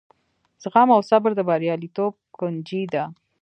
زغم او صبر د بریالیتوب کونجۍ ده.